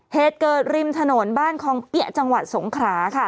เหตุเกิดริมถนนบ้านคองเปี๊ยะจังหวัดสงขราค่ะ